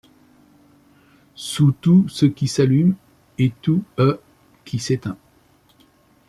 Sous tout ce qui s’allume et tout e qui s’éteint